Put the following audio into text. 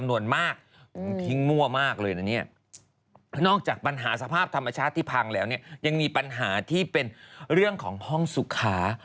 นอกจากปัญหาสภาพธรรมชาติที่พังแล้วยังมีปัญหาที่เป็นเรื่องของห้องสุขา